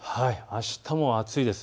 あしたも暑いです。